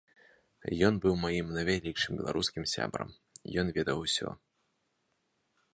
Ён быў маім найвялікшым беларускім сябрам, ён ведаў усё.